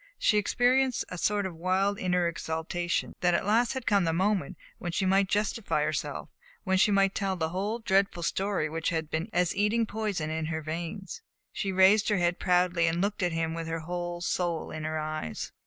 She experienced a sort of wild inner exultation that at last had come the moment when she might justify herself; when she might tell the whole dreadful story which had been as eating poison in her veins. She raised her head proudly, and looked at him with her whole soul in her eyes.